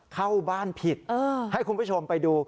เข้าบ้านผิดให้คุณผู้ชมไปดู